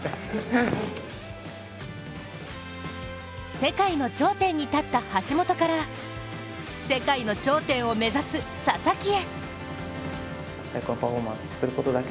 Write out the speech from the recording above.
世界の頂点に立った橋本から世界の頂点を目指す佐々木へ。